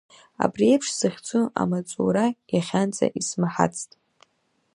Абри еиԥш захьӡу амаҵура иахьанӡа исмаҳацт.